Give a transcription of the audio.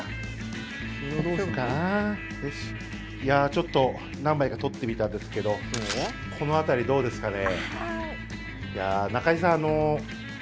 ちょっと何枚か撮ってみたんですけどこの辺り、どうですかね。